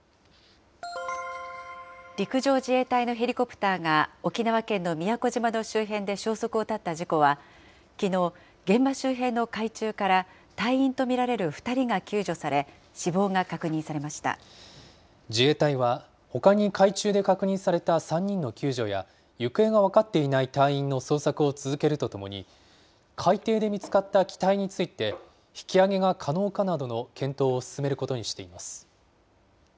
陸上自衛隊のヘリコプターが、沖縄県の宮古島の周辺で消息を絶った事故は、きのう、現場周辺の海中から隊員と見られる２人が救助され、死亡が確認さ自衛隊は、ほかに海中で確認された３人の救助や、行方が分かっていない隊員の捜索を続けるとともに、海底で見つかった機体について、引き揚げが可能かなどの検討を進めることにしています。